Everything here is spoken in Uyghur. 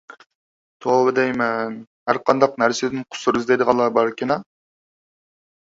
توۋا دەيمەن، ھەر قانداق نەرسىدىن قۇسۇر ئىزدەيدىغانلار باركىنا.